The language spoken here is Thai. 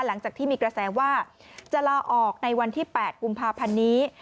หลังจากที่มีกระแสว่าจะลาออกในวันที่๘กุมภาพันธ์นี้